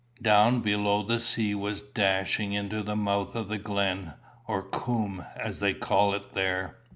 Down below the sea was dashing into the mouth of the glen, or coomb, as they call it there.